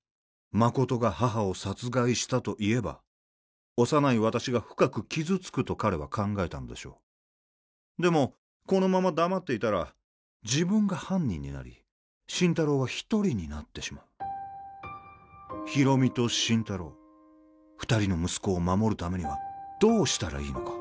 誠が母を殺害したと言えば幼い私が深く傷つくと彼は考えたんでしょうでもこのまま黙っていたら自分が犯人になり心太朗が一人になってしまう広見と心太朗２人の息子を守るためにはどうしたらいいのか？